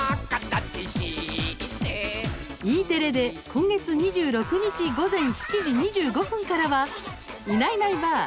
Ｅテレで今月２６日午前７時２５分からは「いないないないばあっ！